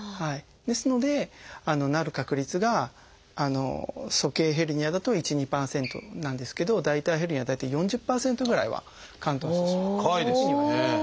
ですのでなる確率が鼠径ヘルニアだと１２％なんですけど大腿ヘルニアは大体４０％ぐらいは嵌頓してしまうというふうにいわれてます。